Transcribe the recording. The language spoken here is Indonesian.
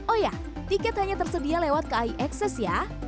oh ya tiket hanya tersedia lewat kai ekses ya